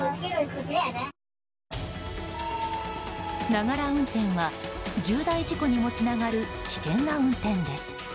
ながら運転は重大事故にもつながる危険な運転です。